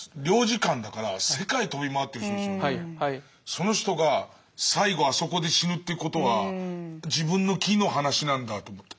その人が最後あそこで死ぬということは自分の木の話なんだと思って。